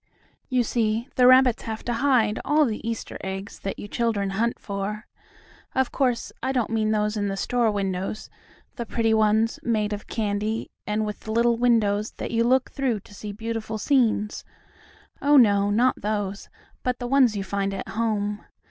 You see, the rabbits have to hide all the Easter eggs that you children hunt for. Of course, I don't mean those in the store windows; the pretty ones, made of candy, and with little windows that you look through to see beautiful scenes. Oh, no, not those, but the ones you find at home.